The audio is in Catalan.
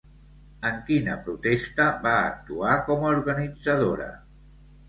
En quina protesta va actuar com a organitzadora?